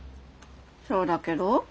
そうだけど。